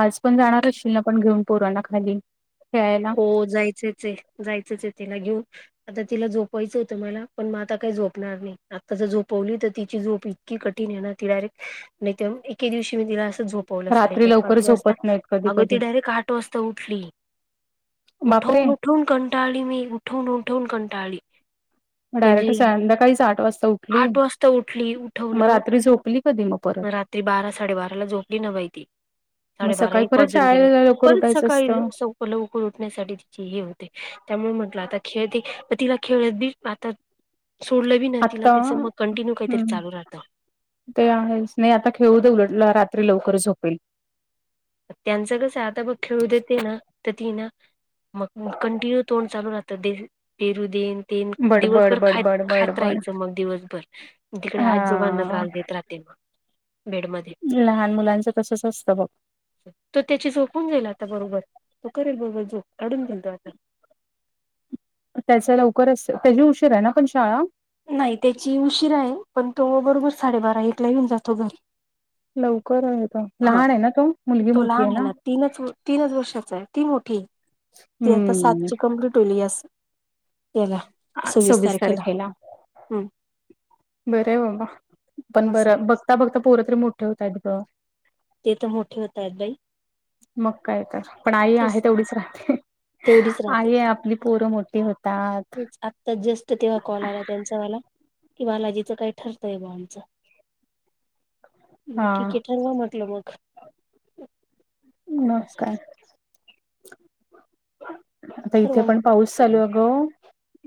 आज पण जाणार असशील ना पण घेऊन पोरांना खाली खेळायला. हो जायचंचय जायचंचय तिला घेऊन. आता तिला झोपवायचं होतं मला पण मग आता काही झोपणार नाही आता जर झोपवली तर तिची झोप हुई. की कठीण आहे ना ती डायरेक्ट नाही तन एके दिवशी मी तिला असं झोप ऊठवलं रात्री साडेचार लवकर पाच वाजता झोपत नाहीत कधी अगं ती कधी डायरेक्ट आठ वाजता उठली बापरे उठवून उठून कंटाळली मी उठवून उठवून कंटाळली मग म्हणजे डायरेक्ट संध्याकाळीच आठ वाजता उठली आठ वाजता उठली मग रात्री झोपली कधी म परत मग रात्री बारा साडेबाराला झोपली न बाई ती मग साडेबारा सकाळी एक परत वाजून गेलं शाळेला लवकर परत उठायचं सकाळी लो असतं सो प लवकर उठण्यासाठी तिचे हे होते त्यामुळे म्हंटलं आता खेळते प तिला खेळत बी आता सोडलं बी ना तिला आता तिचं मग कंटिन्यू काहीतरी हम्म चालू राहतं ते अ हंस नाय आता खेळू दे उलट रात्री लवकर झोपेल त्यांचं कसं आहे आता बघ खेळू देते ना तर ती ना मग कंटिन्यू तोंड चालू राहतं पेरु देन तेन बडबड दिवसभर खात बडबड खात बडबड राहायचं मग दिवसभर तिकडे आजोबांना हा त्रास देत राहत ते बघ बेड मधे ज लहान मुलांचं कसच असतं बघ तो त्याची झोपून जाईल आता बरोबर तो करेल बरोबर झोप काढून दिल तो आता त्याचं लवकरच त्याची उशीर आहे ना पण शाळा नाही त्याची उशीरा आहे पण तो बरोबर साडेबारा एकला येऊन जातो घरी लवकर आहे तो हा लहान आहे ना तो मुलगी मोठी आहे ना तीनच ओ तीनच वर्षाचा आहे ती मोठी आहे ती आता हम्म सातची कंप्लीट होली अस केला हा सव्वीस तारखेला हम्म बरंय बाबा पण असं बरं बघ आता फक्त पोरं तरी मोठी होतायेत गं ते तर मोठी होतायेत मग काय तर पण आई आहे तेच तेवढीच राहते तेवढीच राहते आई आय आपली पोरं मोठी होतात आत्ता जस्ट तेव्हा कॉल आला त्यांचा मला की बालाजीचं काय ठरतय गं आमचं म हा. ठीकेय हो हो म्हटलं मग मग असं काय आता इथे ठरवा पण म्हटलं पाऊस तरी चालू आहे ग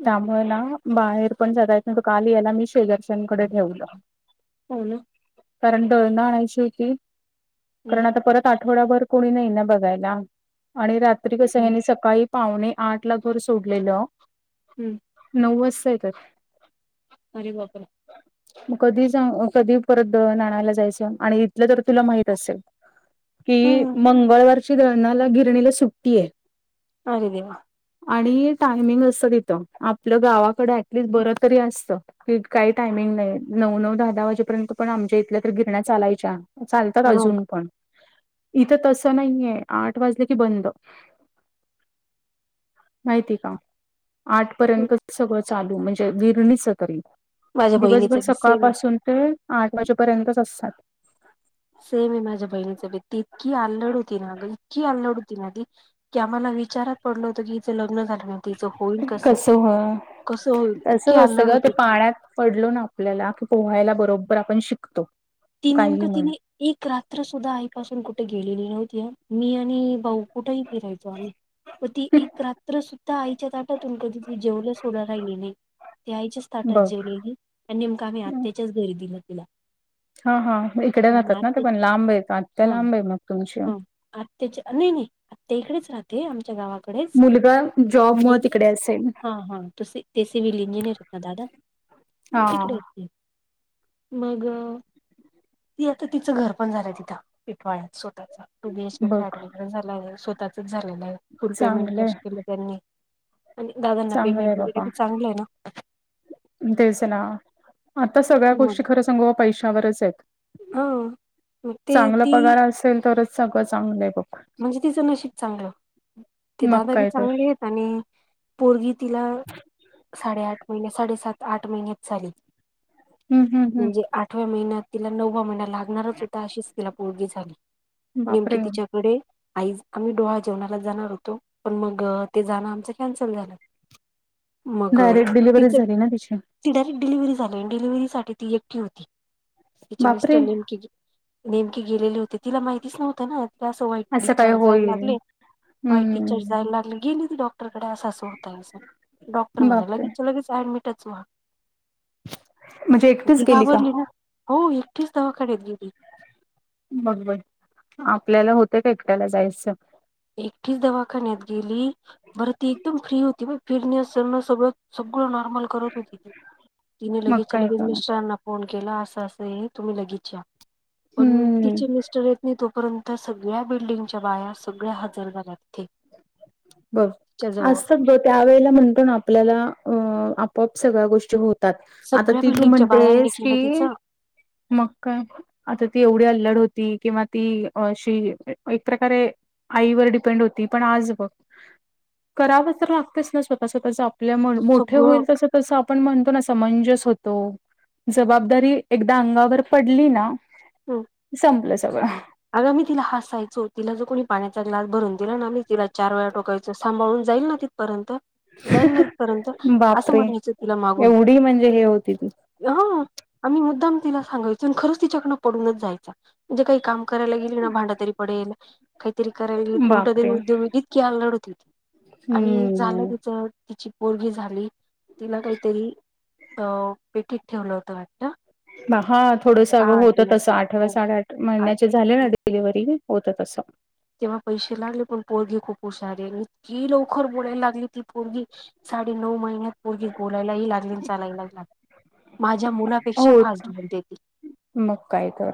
हम्म, त्यामुळे ना बाहेर पण जाता येत नाय काल मी याला शेजारच्यांकडे हम्म. ठेवलं हो ना कारण दळणं आणायची होती हम्म, कारण आता हम्म, परत आठवडाभर कोणी नाही ना बघायला आणि रात्री कसं आहे हम्म, ह्यांनी सकाळी पावणे आठ ला घर सोडलेलं हम्म नऊ वाजता येतात अरे बाप रे कधी जाऊ कधी परत दळण आणायला जायचं आणि इथलं तर तुला माहित असेल की हम्म मंगळवारची दळणाला गिरणीला सुट्टी आहे अरे देवा आणि टायमिंग असतं तिथं आपलं गावाकडे ऍटलिस्ट बर तरी असतं, की काही टायमिंग नाही नऊ नऊ दहा दहा वाजेपर्यंत पण आमच्या इथल्या तर गिरण्या चालायच्या चालतात मग अजून पण इथं तसं नाहीये आठ वाजलं की बंद माहिती का तेच. आठपर्यंतच सगळं चालू म्हणजे गिरणीचं तरी माझ्या बहिणीच दिवसभर बी सेम आहे सकाळपासून ते आठ वाजेपर्यंतच असतात सेम आहे माझ्या बहिणीच बी ती इतकी आल्लड होती ना अ गं इतकी आल्लड होती ना ती, की आम्हाला विचारात पडल होत की हिच लग्न झालं हो तिचं होईल कस कसं हो कसं होईल इतकी तसंच असतं आल्लड ग ते होती ती पाण्यात पडलो ना आपल्याला की पोहायला बरोबर आपण शिकतो. ती काहीही नेमकं म्हण तिने एक रात्र सुद्धा आईपासून कुठे गेलेली नव्हती मी आणि भाऊ कुठेही फिरायचो आम्ही मग ती एक रात्र सुद्धा आईच्या ताटातून कधी ती जेवलं सोडायला येेणे ते आईच्याच ताटात बघ जेवलेली आणि नेमकं आम्ही आत्याच्याच घरी दिल तिला हा हा इकडे मग जातात ना ते पण आत्याच्या लांब आहे आत्या हा लांब आहे मग तुमची हा आत्याच्या नाही नाही आत्या इकडेच राहते आमच्या गावा मुलगा जॉब मुळ तिकडे असेल हा हा तु ते सिवल इंजिनीियर हो ना दादा मग हा तिकडे आहेत मग ती आता तिचं घर पण झालंय तिथं पिठवाळ्यात स्वतःचा टू बी एच के बघ फ्लॅट वगैरे झाला आहे स्वतः झाले आहे फुल पेमेंट चांगलंय कॅश केलं त्यांनी आणि दादांना चांगलंय पेमेंट वगैरे बाबा बी चांगलं आहे ना, तेच ना आता सगळ्या मग गोष्टी खरं सांगू पैशावरच आहेत. हा मग ते चांगला ती पगार असेल तरच सगळं चांगलं आहे बघ, म्हणजे तिचं नशीब चांगलं ते मग दादा बी काय तर चांगले आहेत आणि पोरगी तिला साडे आठ महिन साडेसात आठ महिन्यात झाली हम्म हम्म म्हणजे हम्म आता आठव्या महिन्यात तिला नववा महिना लागणारच होता अशीच तिला पोरगी झाली नेमकी बापरे तिच्याकडे, आईज आम्ही डोहाळ जेवणाला जाणार होतो पण मग ते जाणं आमचं कॅन्सल झालं, मग डायरेक्ट डिलिव्हरीच तिचं झाली ना तिची ती डायरेक्ट डिलव्हरी झाली आणि डिलिव्हरीसाठी ती एकटी होती तिचे बापरे मिस्टर नेमकी नेमकीे गेलेली होते तिला माहितीच नव्हतं ना असं वाईट काय डिस्चार्ज जायला होईल लागले वाईट डिचार्ज हम्म जायला लागले गेले तर डॉक्टरकडे असं अस होततयस डॉक्टर म्हणे बापरे लगेच त्या लगेच अॅडमिट टच वा म्हणजे ती एकटीच गेली का? घाबरली ना, हो एकटीच दवाखान्यात गेली बघ बर आपल्याला होत का एकट्याला जायचं एकटीच दवाखान्यात गेली, बरती एकदम फ्री होती फिरण्यास स सगळं सगळं नॉर्मल करत होती तिने मग लगेचच्या काय लगेच करणार. मिस्टरांना फोन केला असं असं तुम्ही लगेच या पण हम्म तिचे मिस्टर येत नाही तोपर्यंत सगळ्या बिल्डिंगच्या बाया सगळ्या हजर झाल्या तिथे बर तिच्या जवळ आज तर त्यावेेळेला म्हणतो ना आपल्याला अ आपोआप सगळ्या गोष्टी होत तात आता सगळ्या ती तू बिल्डिंगच्या बायांनी म्हणतेस केलं की तिचं मग का, आता ती एवढी अल्लड होती किंवा ती अशी एक प्रकारे आईवर डिपेंड होती पण आज बघ करावं तर लागतंच ना स्वतः स्वतःच आपल्यामुळे मोठे सगळं होईल तस तसं आपण म्हणतो ना समंजस होतो जबाबदारी एकदा अंगावर पडली ना, संपलं सगळं अग आम्ही तिला हासायचो तिला जर कोणी पाण्याचा ग्लास भरून दिला ना मी तिला चार वेळा टोकायचं सांभाळून जाईल ना तिथपर्यंत. जाईल न तिथपर्यंत असं बापरे म्हणायचं तिला मागून. एवढी म्हणजे हे होती ती. ह आम्ही मुद्दाम तिला सांगायचो आणि खरच तिच्याकनं पडूनच जायचा म्हणजे काही काम करायला गेली ना भांड तरी पडेल, काहीतरी कराय गेलं उलट दे बापरे. उद्योग व इतकी अल्लड होती ती आणि झालं हम्म. तिचं तिची पोरगी झाली तिला काहीतरी अ पेटीत ठेवलं होत वाटत हा थोडसं होतं तसं आठवा हो साडेआठ महिन्याच्या आठ झाले डिलवरी होत तसं. तेव्हा पैसे लागले पण पोरगी खूप हुशार आहे इतकी लवकर बोलायला लागली ती पोरगी. साडे नऊ महिन्यात पोरगी बोलायलाही लागली आणि चालायला लागली. माझ्या मुलापेक्षा होत. फास्ट बोलते ती. मग काय तर?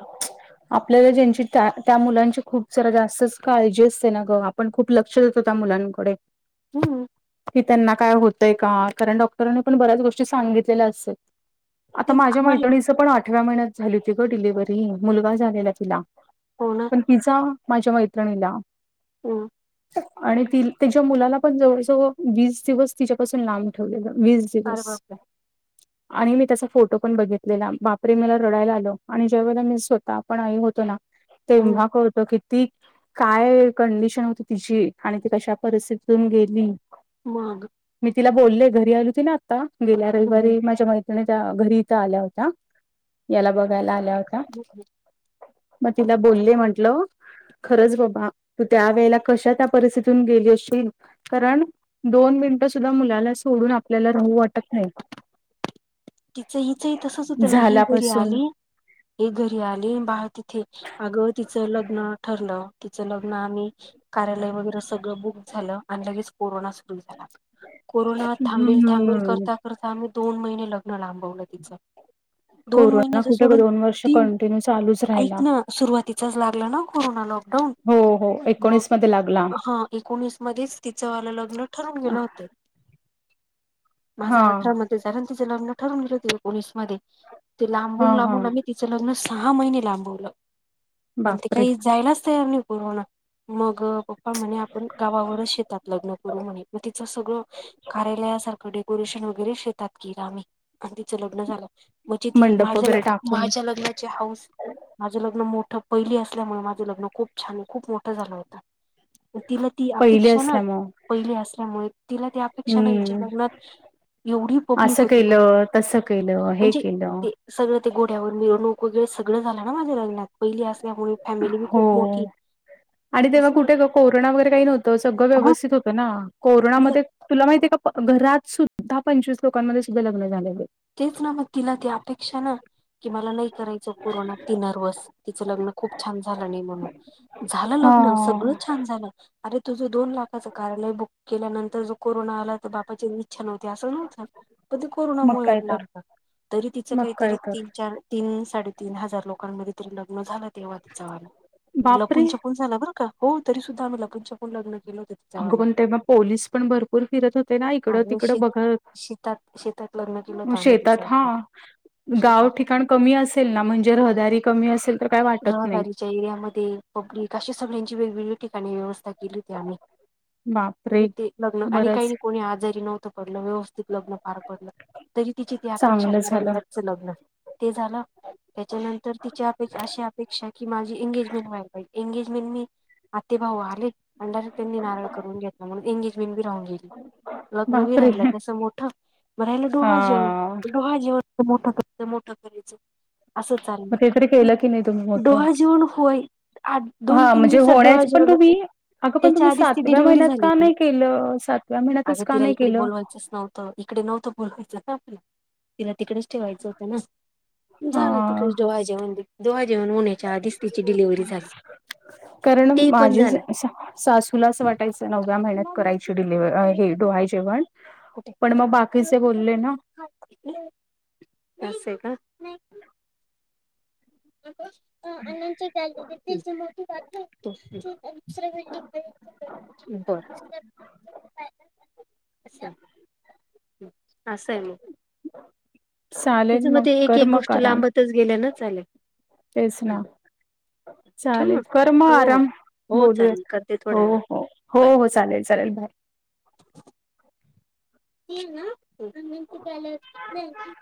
आपल्याला त्यांची त्त्या मुलांची खूप जरा जास्तच काळजी असते ना ग पण खूप लक्ष होत त्या मुलांकडे हम्म की त्यांना काही होतंय का कारण डॉक्टरांनी पण बऱ्याच गोष्टी सांगितलेल्या असते. आता तेच माझ्या आम्हाला मैत्रणीचं पण आठव्या महिन्यात झाली होती ग डिलिव्हरी मुलगा झालेला तिला हो ना पण पिझ्झा माझ्या मैत्रिणीला ह आणि तिच्या मुलाला पण जवळ जवळ वीस दिवस तिच्यापासून लांब ठेवलेलं अरे वीस बापरे! आणि मी त्याचा फोटो पण बघितलेला बापरे म्ह रडायला आल आणि जेव्हा आपण स्वतः पण आई होतो ना हं तेव्हा कळत की की काय कंडिशन होती तिची आणि ती कशा परिस्थितीतून गेली. मग मी तिला बोलले घरी आली होती ना आता गेल्या हम्म. रविवारी माझ्या मैत्रिणी त्या घरी इथं आल्या होत्या. याला बघायला आल्या हो ह ह मग तिला बोलले म्हंटलं. खरंच बाबा तू त्या वेळेला कशा त्या परिस्थितीून गेली असशील कारण दोन मिनिटं सुद्धा मुलाला सोडून आपल्याला राहू वाटत नाही. तिचं हिचंही तसच होतं ना ही घरी झाल्यापासून आली. ही घरी आली आणि बाळ तिथे अगं तिचं लग्न ठरलं. तिचं लग्न आणि कार्यालय वगैरे सगळं बुक झालं आणि लगेच कोरोना कोरोना थांबल थांबल हम्म करता करता आम्ही दोन महिने लग्न लांबवले. तिच दोन कोरोना महिने कुठे ग सोडून दोन वर्ष तीन कंटिन्यू चालूच राहिला ऐकण सुरुवातीचच लागलं न कोरोना लॉकडाऊन हो हो मग एकोणीस मध्ये लागला. हा एकोणीस मध्येच तिचं वाला लग्न ठरून गेलं होत हा माझा अठरा मधे लग्न ठरुन गेल होत एकोणीस मधे ते लांबून हा हा लांबून आम्ही तिचं लग्न सहा महिने लांबवलं पण ते बापरे काही जायलाच तयार नाही कोरोना. मग पप्पा म्हणे आपण गावावरच शेतात लग्न करू म्हणे मग तिचं सगळं कार्यालयासारखं डेकोरेशन वगैरे शेतात केल आम्ही आणि तिचं लग्न झालं. म्हणजे ती मंडप माझ्या वगैरे टाकून माझ्या लग्नाची हाऊस माझं लग्न मोठं पहिली असल्यामुळे माझं लग्न खूप छान खूप मोठं झालं होतं. तिला ती पहिले अपेक्षा ना असल्यामुळे पहिली असल्यामुळे तिला ती अपेक्षा ना हम्म हिच्या लग्नात एवढी पब्लिक असं होती माझी केलं तसं केलं हे केलं. सगळं ते घोड्यावर मिरवणूक वगैरे सगळं झालं ना माझ्या लग्नात पहिली असल्यामुळे फॅमिली बी हो खूप मोठी आणि तेव्हा कुठे मग कोरोना वगैरे काही नव्हतं सगळं व्यवस्थित हो ना तिला कोरोनामध्ये तुला माहिती आहे का घरात सुद्धा पंचवीस लोकांमध्ये सुद्धा लग्न झालेले आहे. तेच ना मग तिला त अपेक्षा ना कि मला नाही करायचं कोरोनात ती नरवस तिचं लग्न खूप छान झालं नाही म्हणून. झालं हा लग्न सगळं छान झालं अरे तुझं दोन लाखाचं कार्यालय बुक केल्यानंतर जो कोरोना आला तर बाबाची इच्छा नव्हती असं नव्हतं पण ते मग कोरोनामुळे काय तर. तरी तिच मग काय काहीतरी तर. तीन चार तीन साडे तीन हजार लोकांमध्ये तरी लग्न झालं. तेव्हा तचावाला बापरे! लपून छपून झाला बरं का हो तरी सुद्धा आम्ही लपूनंच्याापून लग्न केलं होत. अगं पण तेव्हा पोलीस पण भरपूर फिरत होते ना इकडं आम्ही तिकडं शेत बघत शेतात शेतात लग्न केलं होतं आम्ही शेतांत तिच्यावाला हां गावं शेतात ठिकाणं कमी असेलं नां म्हणजे रहदारी कमी असेलं रहदारीच्यां एरियांमध्यें पब्लिक अशा सगळ्यांची वेगवेगळं ठिकाणीं व्यवस्थां केली होती आम्हीं मंग बापरे! ते लग्नं आणि बरंच कांहीं कोणी आजारी नव्हतं पडलं व्यवस्थितं लग्नं पार पडलं तरी तिची तं अपेक्षा चांगलं झालं. करेलचं लग्नं ते झालं त्यांच्यानंतर तिची अपे अशी अपेक्षा की मांझी एंगेजमेंट व्हांयला पाहिजे एंगेजमेंट मी आते भाऊ आलें अंडारेक त्यांनी नारळ करूंन घेतलां म्हणूंन एंगेजमेंट बी राहूंन गेली लग्नं वि बापरे! राहिलां तसं मोठं म राहिलं हा डोहां जेवणं डोहां जेवण मोठं करायचं मोठं करायचं असं चाललं तीकडे केलं की नाहीं तुम्हीं मोठं डोहाळ जेवण होय आठ दोन हां तीन म्हणजे दिवसात होण्यां डोहाळ पणं जेवण होत. तुम्हीं अगं पणं त्याच्या तुम्हीं आधीच ती सातव्यां डिलिव्हरी महिन्यांत झाली. कां नाहीं केलं सात त्यां महिन्यांचं अगं कां तिला नाहीं इकडे केलं बोलवायचंच नव्हतं इकडे नव्हतं बोवायचं नां आपलां तिलां तिकडेचं ठेवायचं होतं नां हा झालं तिकडे डोवाळे जेवणं डोवाळे जेवणं होण्यांच्या आधीस तिची डिलिव्हरी झाली कारणं ते पण माझे झालं सासूलां असं वाटतं काही नवव्यां महिन्यांत करायंची डोल्हाडे जेवणं कुठे पणं मंग बाकीचे बोलले नां असं आहे कां ह [unintelligible] आनंदच्यां गॅलरीतं तं मोठी दुसरं बिल्डिंग करां बरं [unintelligible] असं आहे मंग चालेल तिथं मग मध्यें एक कर एक मग गोष्टं लांबतचं गेल्यानं चाले तेस नां ठेव चांलेल मग करं मं हो हो आंराम हो चालेल बोलुयांत करते हो थोड्या हो हो हो चालेलं चालेलं बांय ना [unintelligible]